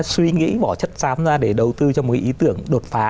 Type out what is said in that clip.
suy nghĩ bỏ chất xám ra để đầu tư cho một ý tưởng đột phá